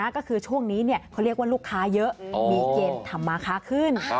ก็คือช่วงนี้เขาเรียกว่าลูกค้าเยอะมีเกณฑ์ทำมาค้าขึ้น